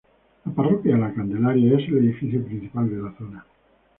La Parroquia de la Candelaria es el edificio principal de la zona.